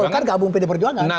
atau golkar gabung pdi perjuangan